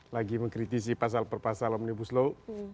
lagi mengkritisi pasal perpasal omnibus law